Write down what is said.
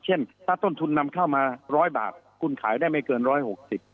เช่นถ้าต้นทุนนำเข้ามาร้อยบาทคุณขายได้ไม่เกิน๑๖๐บาท